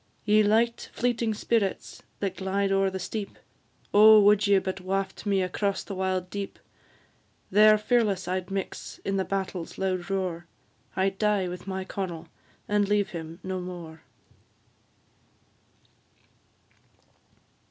Ye light fleeting spirits, that glide o'er the steep, Oh, would ye but waft me across the wild deep! There fearless I'd mix in the battle's loud roar, I'd die with my Connel, and leave him no more.